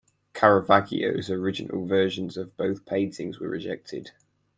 Caravaggio's original versions of both paintings were rejected.